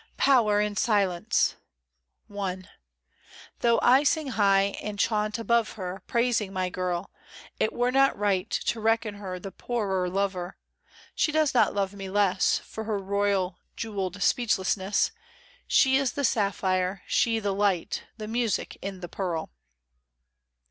POWER IN SILENCE. THOUGH I sing high, and chaunt above her, Praising my girl. It were not right To reckon her the poorer lover ; She does not love me less For her royal, jewelled speechlessness, She is the sapphire, she the light. The music in the pearl.